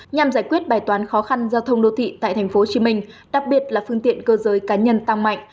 nhằm giải quyết bài toán khó khăn giao thông đô thị tại tp hcm đặc biệt là phương tiện cơ giới cá nhân tăng mạnh